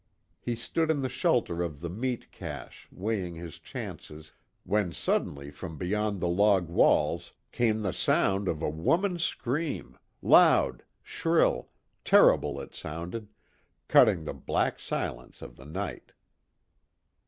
He stood in the shelter of the meat cache weighing his chances, when suddenly from beyond the log walls came the sound of a woman's scream loud shrill terrible, it sounded, cutting the black silence of the night.